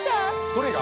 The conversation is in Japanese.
どれが！？